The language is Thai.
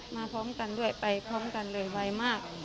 พร้อมกันด้วยไปพร้อมกันเลยไวมาก